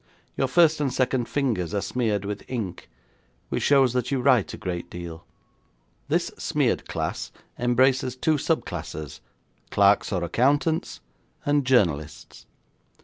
Your first and second fingers are smeared with ink, which shows that you write a great deal. This smeared class embraces two sub classes, clerks or accountants, and journalists.